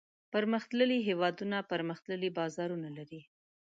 پرمختللي هېوادونه پرمختللي بازارونه لري.